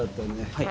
はい。